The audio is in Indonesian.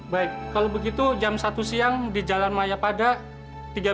baik kalau begitu jam satu siang di jalan mayapada